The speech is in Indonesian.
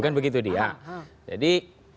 kan begitu dia jadi